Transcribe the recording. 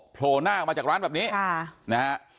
โผล่หน้าออกมาจากร้านแบบนี้นะฮะ